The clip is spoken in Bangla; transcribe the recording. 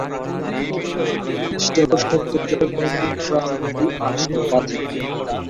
ঈশ্বর ও সত্যই জগতে একমাত্র রাজনীতি, আর সব বাজে।